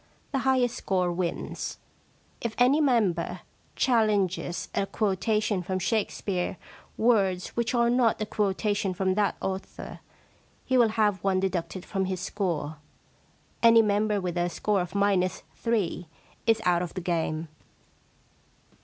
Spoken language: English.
The highest score wins. If any member challenges as a quotation from Shakespeare words which are not a quotation from that author, he will have one deducted from his score. Any member with a score of minus three is out of the game.